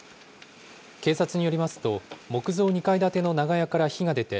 警察によりますと、木造２階建ての長屋から火が出て、